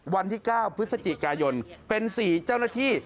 วันที่๙พฤศจิกายนเป็น๔เจ้าหน้าที่